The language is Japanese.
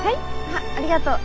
あっありがとう。